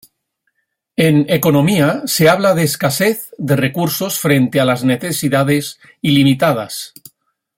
En economía, se habla de escasez de recursos frente a las necesidades ilimitadas.